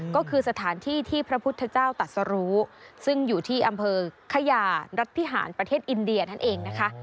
ก็คือสถานที่ที่พระพุทธเจ้าตัดสรุซึ่งอยู่ที่อำเภอขยารัฐพิหารประเทศอินเดียนั่นเองนะคะ